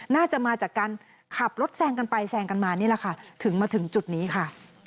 น่าจะมาจากการขับรถแซงกันไปแซงกันมานี่แหละค่ะถึงมาถึงจุดนี้ค่ะ